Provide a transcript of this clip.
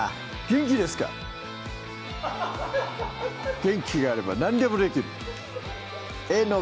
「元気があれば何でもできる」